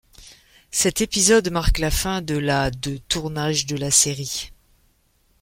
Cet épisode marque la fin de la de tournage de la série.